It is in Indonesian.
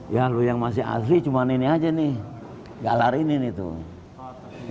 ya loh yang masih asli cuma ini aja nih galar ini nih tuh